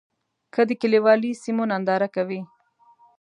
که د کلیوالي سیمو ننداره کوې.